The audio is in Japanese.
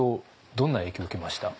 どんな影響を受けました？